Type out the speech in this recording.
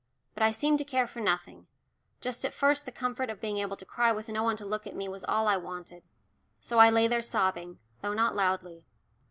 But I seemed to care for nothing just at first the comfort of being able to cry with no one to look at me was all I wanted. So I lay there sobbing, though not loudly.